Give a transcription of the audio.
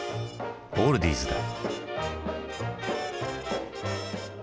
オールディーズだ。